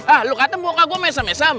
ah lo kata muka gue mesem mesem